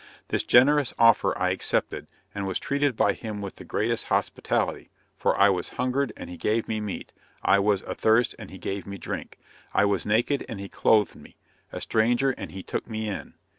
This generous offer I accepted, and was treated by him with the greatest hospitality; for I was hungered and he gave me meat, I was athirst and he gave me drink, I was naked and he clothed me, a stranger and he took me in.